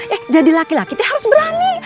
eh jadi laki laki harus berani